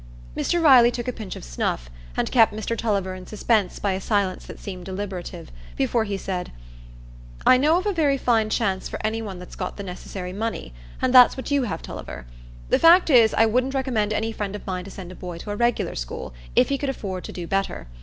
Mr Riley took a pinch of snuff, and kept Mr Tulliver in suspense by a silence that seemed deliberative, before he said,— "I know of a very fine chance for any one that's got the necessary money and that's what you have, Tulliver. The fact is, I wouldn't recommend any friend of mine to send a boy to a regular school, if he could afford to do better.